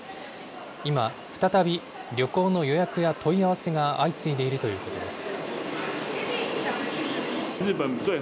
今、再び旅行の予約や問い合わせが相次いでいるということです。